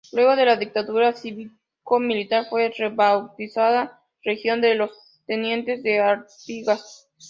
Luego de la dictadura cívico-militar fue rebautizada Legión de los Tenientes de Artigas.